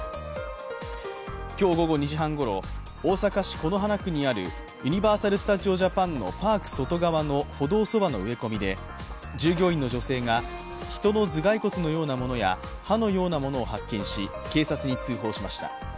今日午後２時半ごろ、大阪市此花区にあるユニバーサル・スタジオ・ジャパンのパーク外側の歩道そばの植え込みで従業員の女性が人の頭蓋骨のようなものや歯のようなものを発見し警察に通報しました。